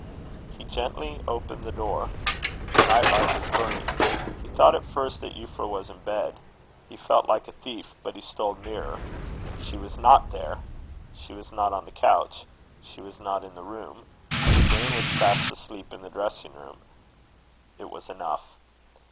He gently opened the door. The night light was burning. He thought, at first, that Euphra was in the bed. He felt like a thief, but he stole nearer. She was not there. She was not on the couch. She was not in the room. Jane was fast asleep in the dressing room. It was enough.